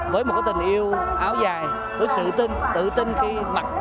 với một tình yêu áo dài với sự tự tin khi mặc